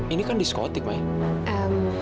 ini kan diskotik maya